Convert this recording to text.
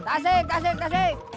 kasik kasik kasik